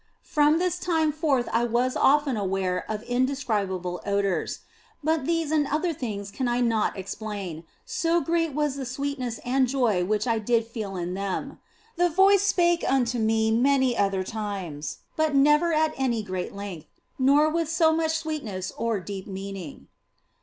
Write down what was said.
From this time forth I was often aware of indescribable odours ; but these and other things can I not explain, so great was the sweetness and joy which I did feel in them. The voice spake unto me many other times, but never at any great length, nor with so much sweetness or deep meaning.